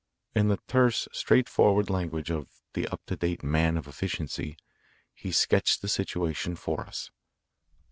In the terse, straightforward language of the up to date man of efficiency, he sketched the situation for us.